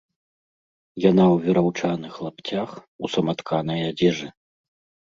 Яна ў вераўчаных лапцях, у саматканай адзежы.